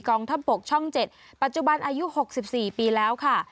องทัพบกช่อง๗ปัจจุบันอายุ๖๔ปีแล้วค่ะ